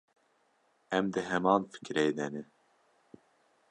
Em di heman fikrê de ne.